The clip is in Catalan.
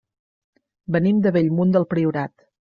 Venim de Bellmunt del Priorat.